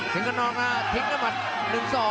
สิงค์กระนองหน้าทิ้งกับมัน๑๒